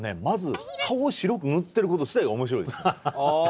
まず顔を白く塗ってること自体が面白いです。